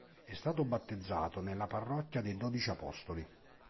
È stato battezzato nella parrocchia dei Dodici Apostoli.